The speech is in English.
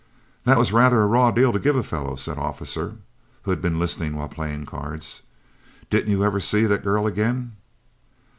"That was rather a raw deal to give a fellow," said Officer, who had been listening while playing cards. "Didn't you never see the girl again?"